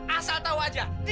asal tau aja